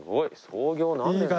創業何年だろう？